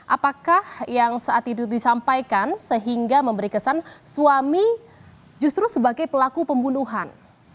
apakah yang saat itu disampaikan sehingga memberi kesan suami justru sebagai pelaku pembunuhan